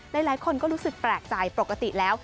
หลายคนก็รู้สึกแปลกใจปกติแล้ว